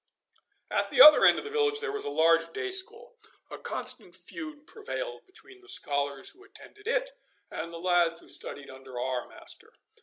At the other end of the village there was a large day school. A constant feud prevailed between the scholars who attended it and the lads who studied under our master.